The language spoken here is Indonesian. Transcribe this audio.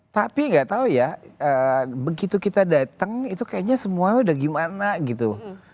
tapi nggak tahu ya begitu kita datang itu kayaknya semuanya udah gimana gitu